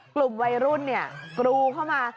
กลุ่มวัยรุ่นกรูเข้ามา